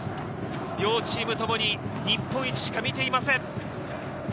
両チームともに日本一しか見ていません。